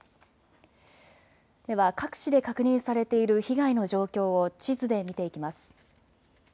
では、各地で確認されている被害の状況を地図で見ていきます。